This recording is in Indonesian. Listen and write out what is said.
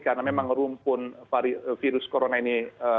karena memang rumpun virus corona ini